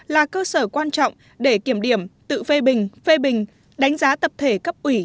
là cơ sở quan trọng để kiểm điểm tự phê bình phê bình đánh giá tập thể cấp ủy